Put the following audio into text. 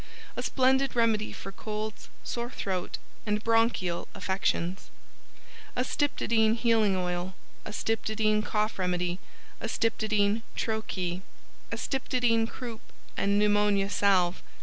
A splendid remedy for colds, sore throat, and Bronchial Affections. Astyptodyne Healing Oil, Astyptodyne Cough Remedy, Astyptodyne "Tro Ke," Astyptodyne Croup and Pneumonia Salve.